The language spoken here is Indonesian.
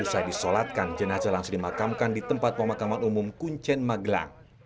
usai disolatkan jenazah langsung dimakamkan di tempat pemakaman umum kuncen magelang